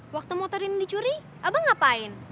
waktu motor ini dicuri abang ngapain